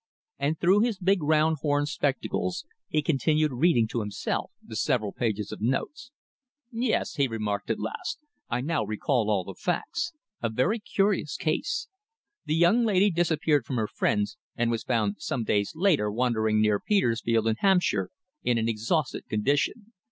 And through his big round horn spectacles he continued reading to himself the several pages of notes. "Yes," he remarked at last. "I now recall all the facts. A very curious case. The young lady disappeared from her friends, and was found some days later wandering near Petersfield, in Hampshire, in an exhausted condition.